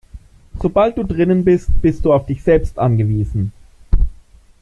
Sobald du drinnen bist, bist du auf dich selbst angewiesen.